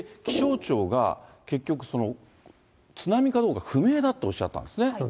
気象庁が結局、津波がどうか不明だとおっしゃったんですね。